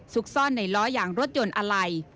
ซ่อนในล้อยางรถยนต์อะไร